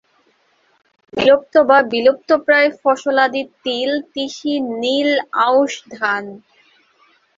বিলুপ্ত বা বিলুপ্তপ্রায় ফসলাদি তিল, তিসি, নীল, আউশ ধান।